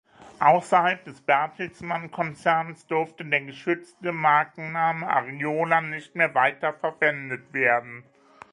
Außerhalb des Bertelsmann-Konzerns durfte der geschützte Markenname Ariola nicht mehr weiter verwendet werden.